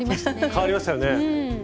変わりましたよね。